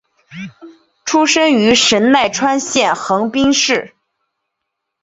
出身于神奈川县横滨市。